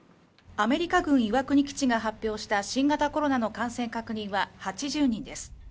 アメリカ軍岩国基地が発表した新型コロナの感染確認は８０人です。